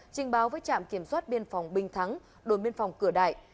trình báo với trạm kiểm soát biên phòng bình thắng đồn biên phòng cửa đại